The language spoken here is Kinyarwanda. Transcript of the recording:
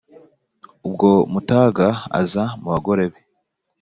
ubwo mutaga aza mu bagore be,